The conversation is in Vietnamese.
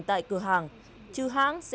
tại cửa hàng xong chuyển về